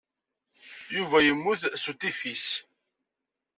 Yuba yemmut s utifis.